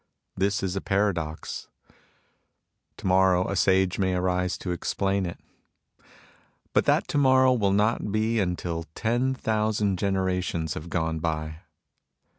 This is a paradox. To morrow a sage may arise to explain it ; but that to morrow will not be until ten thousand genera tions have gone by.